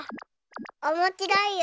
おもしろいよ。